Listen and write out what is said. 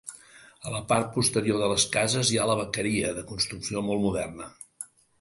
A la part posterior de les cases hi ha la vaqueria, de construcció molt moderna.